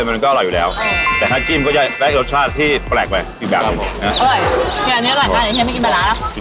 มันก็อร่อยอยู่แล้วแต่น้ำจิ้มก็จะแปลกรสชาติที่แปลกไปอีกแบบครับผม